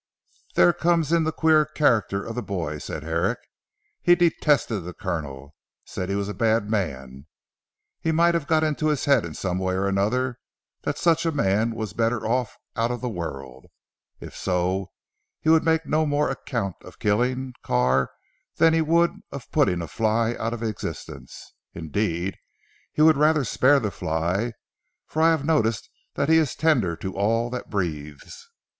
"There comes in the queer character of the boy," said Herrick "he detested the Colonel said he was a bad man. He might have got into his head in some way or another that such a man was better out of the world. If so, he would make no more account of killing Carr than he would of putting a fly out of existence. Indeed he would rather spare the fly, for I have noticed that he is tender to all that breathes."